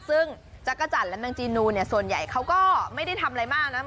ซึ่งจักรจันทร์และนางจีนูเนี่ยส่วนใหญ่เขาก็ไม่ได้ทำอะไรมากนะ